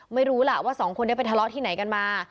ไม่รู้ล่ะว่าสองคนได้ไปทะเลาะที่ไหนกันมา